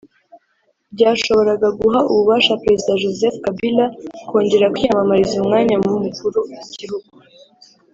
ryashoboraga guha ububasha Perezida Joseph Kabila kongera kwiyamamariza umwanya w’umukuru w’igihugu